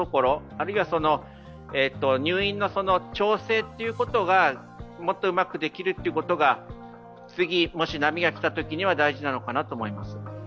あるいは入院の調整ということがもっとうまくできるということが次、もし波が来たときには大事なのかなと思います。